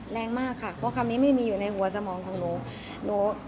แรงมากค่ะเพราะคำนี้ไม่มีอยู่ในหัวสมองของหนู